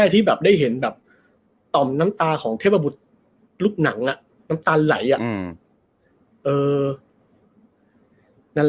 ต่อมน้ำตาของเทพบุรุษลูกหนังน้ำตาไหล